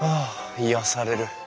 癒やされる。